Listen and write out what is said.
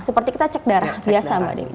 seperti kita cek darah biasa mbak dewi